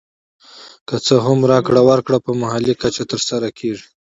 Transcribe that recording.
که څه هم راکړه ورکړه په محلي کچه تر سره کېږي